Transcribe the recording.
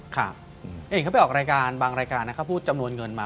เห็นเขาไปออกรายการบางรายการนะเขาพูดจำนวนเงินมา